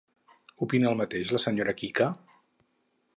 Opina el mateix la senyora Quica?